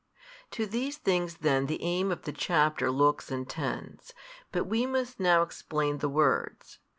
To these things then the aim of the chapter looks and tends: but we must now explain the words.